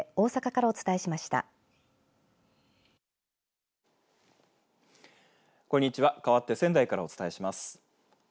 かわって仙台からお伝えします。